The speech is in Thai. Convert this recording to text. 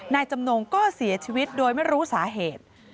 นายจำนงก็เสียชีวิตโดยไม่รู้สาเหตุ